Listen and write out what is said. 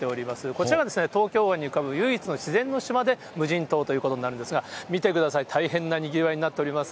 こちらが東京湾に浮かぶ唯一の自然の島で、無人島ということになるんですが、見てください、大変なにぎわいになっております。